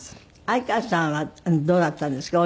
愛川さんはどうだったんですか？